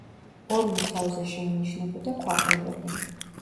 ორმოს თავზე შეინიშნებოდა ქვაყრილები.